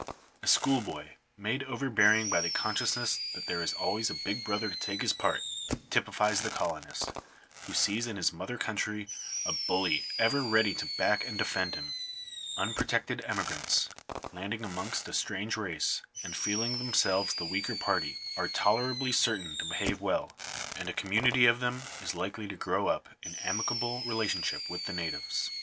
A schoolboy, made overbearing by the consciousness that there is always a big brother to take his part, typifies the colonist, who sees in his mother country a bully ever ready to back and defend him. Unprotected emigrants, landing amongst a strange race, and feeling themselves the weaker party, are tolerably certain to behave well, and a community of them is * See Sir Alexander Barns' despatches. Digitized by VjOOQIC GOVERNMENT COLONIZATION. 869 likely to grow up in amicable relationship with the natives.